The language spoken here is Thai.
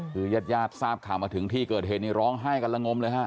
คือยาดทราบขามาถึงที่เกิดเหตุนี้ร้องไห้กำลังงมเลยฮะ